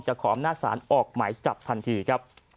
ขออำนาจศาลออกหมายจับทันทีครับ